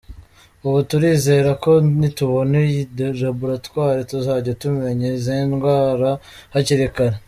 Ubu turizera ko nitubona iyi Laboratwari, tuzajya tumenya izi ndwara hakiri kare.